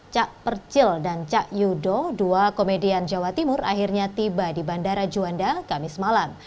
cak percil dan cak yudo dua komedian jawa timur akhirnya tiba di bandara juanda kamis malam